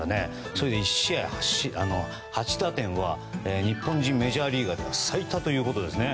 それで１試合８打点は日本人メジャーリーガーでは最多ということですね。